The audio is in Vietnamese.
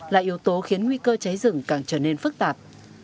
là yếu tố khiến nguy cơ cháy rừng càng trở nên phức tạp